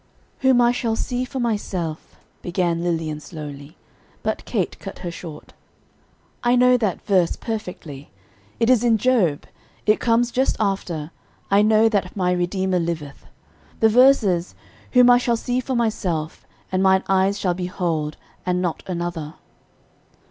"'Whom I shall see for myself,'" began Lilian slowly; but Kate cut her short "I know that verse perfectly it is in Job; it comes just after 'I know that my Redeemer liveth;' the verse is, 'Whom I shall see for myself, and mine eyes shall behold, and not another.'"